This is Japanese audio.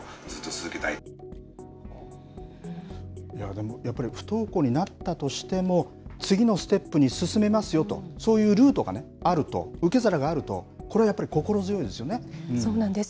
でも、やっぱり不登校になったとしても次のステップに進めますよと、そういうルートがあると、受け皿があると、これはやっぱりそうなんです。